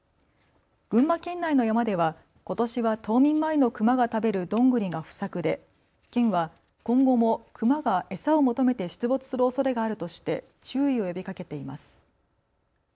群馬県内の山ではことしは冬眠前のクマが食べるドングリが不作で県は今後もクマが餌を求めて出没するおそれがあるとして注意を呼びかけています。